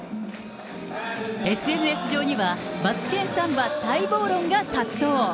ＳＮＳ上には、マツケンサンバ待望論が殺到。